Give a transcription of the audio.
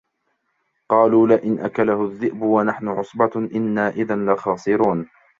قالوا لئن أكله الذئب ونحن عصبة إنا إذا لخاسرون